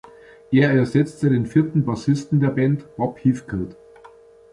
Er ersetzte den vierten Bassisten der Band, Bob Heathcote.